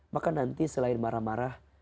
maka nanti selain marah marah